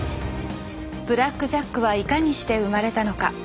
「ブラック・ジャック」はいかにして生まれたのか？